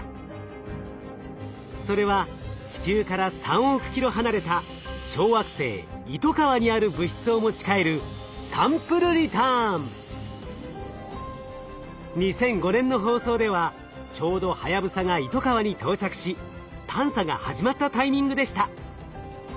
それは地球から３億キロ離れた小惑星「イトカワ」にある物質を持ち帰る２００５年の放送ではちょうどはやぶさがイトカワに到着し探査が始まったタイミングでした。